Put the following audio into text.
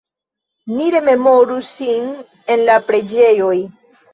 Ni rememoru ŝin en la preĝoj.